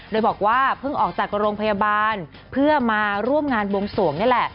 โดยบอกว่าเพิ่งออกจากโรงพยาบาลเพื่อมาร่วมงานบวงสวงนี่แหละ